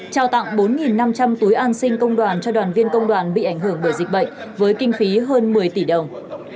trao tặng bốn năm trăm linh túi an sinh công đoàn cho đoàn viên công đoàn bị ảnh hưởng bởi dịch bệnh với kinh phí hơn một mươi tỷ đồng